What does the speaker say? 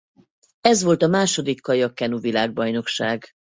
Ez volt a második kajak-kenu világbajnokság.